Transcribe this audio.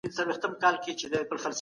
پیسې په کومو برخو لګول کېږي؟